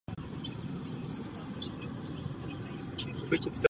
Arabská guma nemá vlastní výraznou vůni.